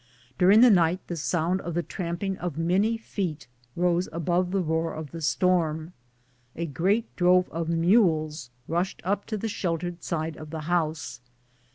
During the night the sound of the tramping of many feet rose above the roar of the storm. A great drove of mules rushed up to the sheltered side of the house.